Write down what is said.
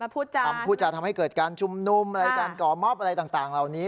คำพูดจะทำให้เกิดการชุมนุมอะไรการก่อมอบอะไรต่างเหล่านี้